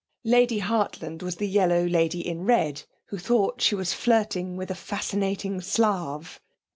Lady Hartland was the yellow lady in red, who thought she was flirting with a fascinating Slav.